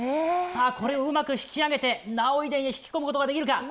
これをうまく引き上げて儺追殿に引き込むことができるか。